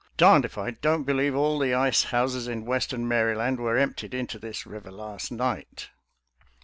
" Darned if I don't believe all the ice houses in western Maryland were emptied into this river last night."